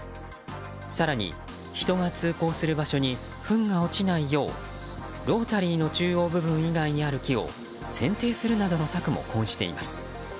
更に、人が通行する場所にふんが落ちなうようロータリーの中央部分にある木以外を剪定するなどの策も講じています。